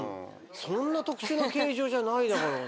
そんな特殊な形状じゃないだろうに。